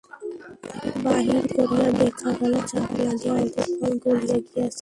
বাহির করিয়া দেখা গেল চাপ লাগিয়া অর্ধেক ফল গলিয়া গিয়াছে।